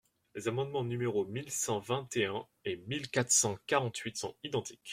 Les amendements numéros mille cent vingt et un et mille quatre cent quarante-huit sont identiques.